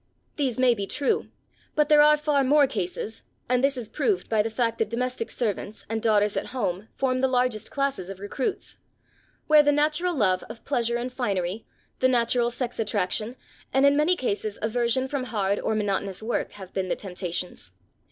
These may be true, but there are far more cases (and this is proved by the fact that domestic servants and daughters at home form the largest classes of recruits) where the natural love of pleasure and finery, the natural sex attraction, and in many cases aversion from hard or monotonous work have been the temptations.